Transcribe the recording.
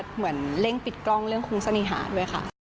เหมือนเร่งปิดกล้องเรื่องคุ้งเสน่หาด้วยค่ะ